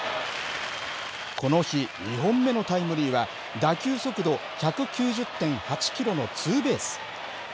この日、２本目のタイムリーは、打球速度１９０．８キロのツーベース。